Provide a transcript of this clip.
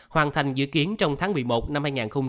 hoàn thành dự kiến trong tháng một mươi một năm hai nghìn hai mươi